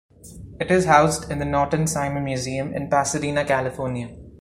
It is housed in the Norton Simon Museum in Pasadena, California.